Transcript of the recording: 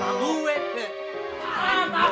apaan penculik anak